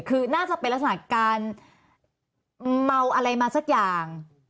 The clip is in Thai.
คือน่าจะเป็นลักษณะการเมาอะไรมาสักอย่าง